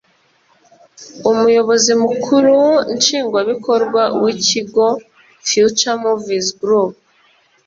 Umuyobozi Mukuru Nshingwabikorwa w’Ikigo Future-Moves Group